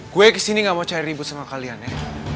gue kesini gak mau cari ribut sama kalian ya